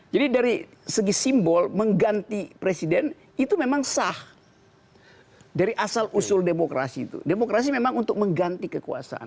jadi dari segi simbol mengganti presiden itu memang sah dari asal usul demokrasi itu demokrasi memang untuk mengganti kekuasaan